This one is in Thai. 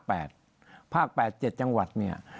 ภาค๘เจ็ดจังหวัดนี่